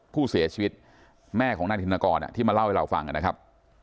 ผู้เสียชีวิตแม่ของนายธินกรที่มาเล่าให้เราฟังนะครับ